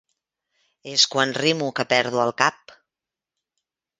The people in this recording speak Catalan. És quan rimo que perdo el cap.